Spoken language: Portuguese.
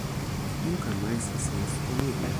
Nunca mais faça isso comigo.